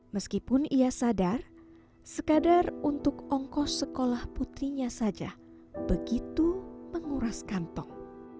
meskipun ia sadar sekadar untuk ongkos sekolah putrinya saja begitu menguras kantong